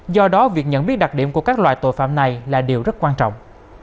do đó việc nhận biết đặc điểm của các loại tội phạm này là điều rất quan trọng